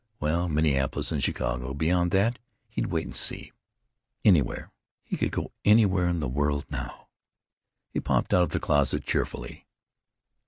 Well, Minneapolis and Chicago. Beyond that—he'd wait and see. Anywhere—he could go anywhere in all the world, now.... He popped out of the closet cheerfully.